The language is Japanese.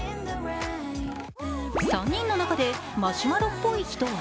３人の中で、マシュマロっぽい人は？